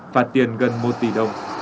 phạt tiền gần một tỷ đồng